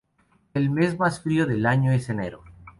El mes más frío del año es enero.